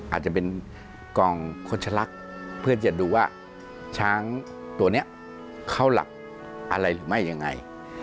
อาจจะเป็นกล่องโฆษลักษณ์เพื่อจะดูว่าช้างตัวนี้เข้าหลักอะไรหรือไม่ยังไง